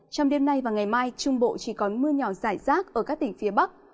trong đêm nay và ngày mai trung bộ chỉ có mưa nhỏ rải rác ở các tỉnh phía bắc